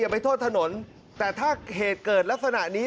ไปโทษถนนแต่ถ้าเหตุเกิดลักษณะนี้